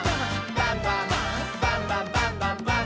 バンバン」「バンバンバンバンバンバン！」